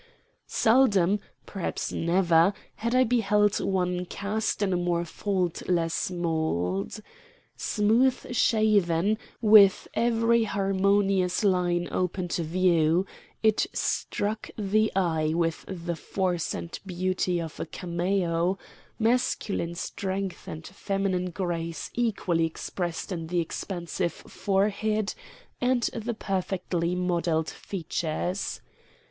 Seldom, perhaps never, had I beheld one cast in a more faultless mold. Smooth shaven, with every harmonious line open to view, it struck the eye with the force and beauty of a cameo; masculine strength and feminine grace equally expressed in the expansive forehead and the perfectly modeled features.